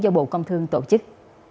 do bộ công thương tổ chức